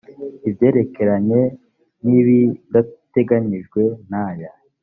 ibyerekeranye n ibidateganyijwe n aya